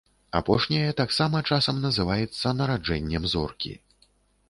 Апошняе таксама часам называецца нараджэннем зоркі.